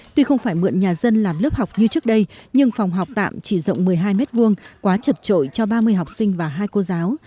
tuy không phải mượn nhà dân làm lớp học như trước đây nhưng phòng học tạm chỉ rộng một mươi hai m hai quá chật trội cho ba mươi học sinh và hai cô giáo